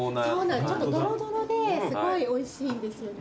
ちょっとドロドロですごいおいしいんですよね。